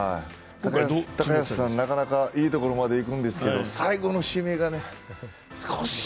高安さん、なかなかいいところまでいくんですけど、最後の締めが少し